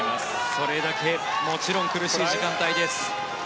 それだけもちろん苦しい時間帯です。